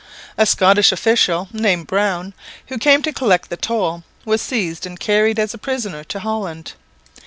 A Scottish official named Browne, who came to collect the toll, was seized and carried as a prisoner to Holland.